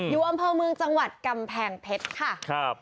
อยู่อำเภอเมืองจังหวัดกำแพงเพชรค่ะครับ